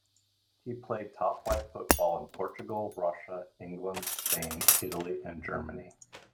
He played top flight football in Portugal, Russia, England, Spain, Italy and Germany.